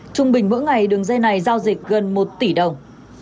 trung bình mỗi ngày đường dây này giao dịch gần một tỷ đồng